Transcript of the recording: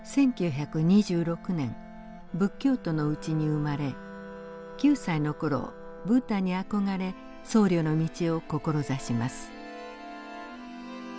１９２６年仏教徒のうちに生まれ９歳の頃ブッダに憧れ僧侶の道を志します。